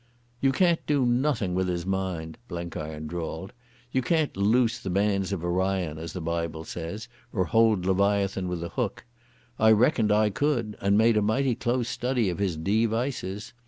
"You can't do nothing with his mind," Blenkiron drawled. "You can't loose the bands of Orion, as the Bible says, or hold Leviathan with a hook. I reckoned I could and made a mighty close study of his de vices.